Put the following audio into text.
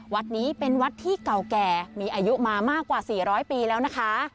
วัดนี้เป็นวัดที่เก่าแก่มีอายุมามากกว่า๔๐๐ปีแล้วนะคะ